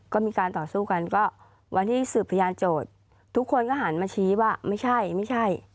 ก็มีการต่อสู้กันก็วันที่สืบพยานโจทย์ทุกคนก็หันมาชี้ว่าไม่ใช่ไม่ใช่